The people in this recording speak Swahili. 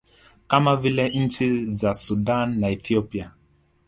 kama vile nchi za Sudan na Ethiopia